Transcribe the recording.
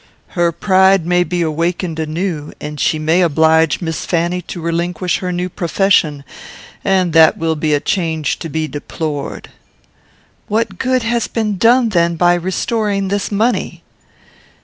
Her pride may be awakened anew, and she may oblige Miss Fanny to relinquish her new profession, and that will be a change to be deplored." "What good has been done, then, by restoring this money?"